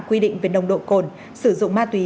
quy định về nồng độ cồn sử dụng ma túy